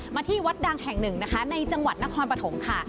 ที่วัดดังแห่งหนึ่งนะคะในจังหวัดนครปฐมค่ะ